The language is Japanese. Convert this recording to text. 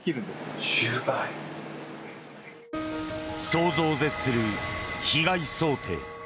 想像を絶する被害想定。